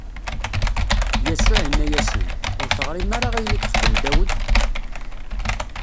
Yasuɛ inna-asen: Ur teɣrim ara ayen i yexdem Dawed?